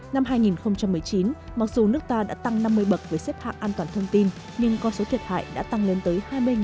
năm hai nghìn một mươi chín mặc dù nước ta đã tăng năm mươi bậc với xếp hạng an toàn thông tin nhưng con số thiệt hại đã tăng lên tới hai mươi